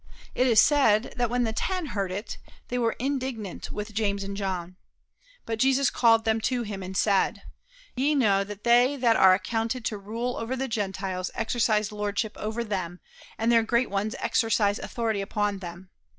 It is said that when the ten heard it they were indignant with James and John. But Jesus called them to him and said: "Ye know that they that are accounted to rule over the Gentiles exercise lordship over them, and their great ones exercise authority upon them.